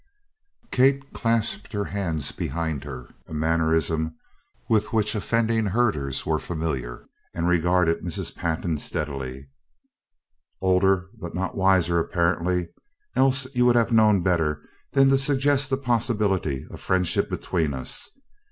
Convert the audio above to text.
Kate clasped her hands behind her, a mannerism with which offending herders were familiar, and regarded Mrs. Pantin steadily. "Older but not wiser, apparently, else you would have known better than to suggest the possibility of friendship between us.